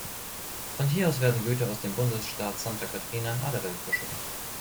Von hier aus werden Güter aus dem Bundesstaat Santa Catarina in alle Welt verschifft.